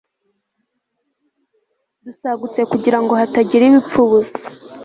dusagutse kugira ngo hatagira ibipfa ubusa